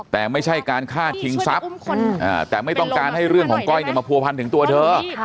แต่ไม่ใช่การฆ่าชิงทรัพย์แต่ไม่ต้องการให้เรื่องของก้อยมาผัวพันถึงตัวเธอ